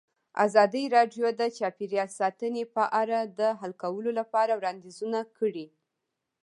ازادي راډیو د چاپیریال ساتنه په اړه د حل کولو لپاره وړاندیزونه کړي.